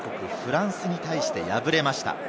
フランスに対して敗れました。